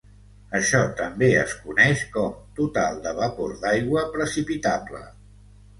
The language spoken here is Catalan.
Això també es coneix com "total de vapor d'aigua precipitable".